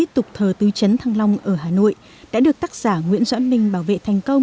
tục thờ tư chấn thăng long ở hà nội đã được tác giả nguyễn doãn minh bảo vệ thành công